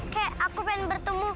kek aku ingin bertemu